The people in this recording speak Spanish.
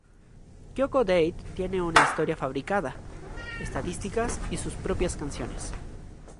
Kyoko Date tiene una historia fabricada, estadísticas y sus propias canciones.